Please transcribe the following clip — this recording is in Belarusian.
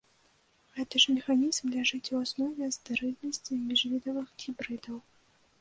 Гэты ж механізм ляжыць у аснове стэрыльнасці міжвідавых гібрыдаў.